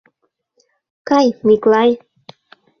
— Кай, Миклай!